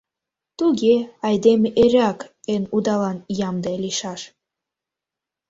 Туге, айдеме эреак эн удалан ямде лийшаш.